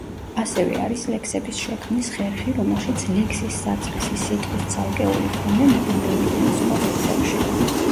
ასევე არის ლექსების შექმნის ხერხი, რომელშიც ლექსის საწყისი სიტყვის ცალკეული ფონემები მეორდება სხვა სიტყვებში.